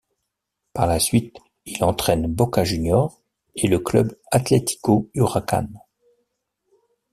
Par la suite, il entraîne Boca Juniors et le Club Atlético Huracán.